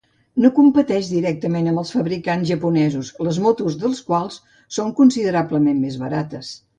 No competeixen directament amb els fabricants japonesos, les motos dels quals són considerablement més barates.